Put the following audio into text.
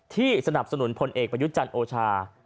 ที่สนับสนุนผลเอกประยุจจันทร์โอชา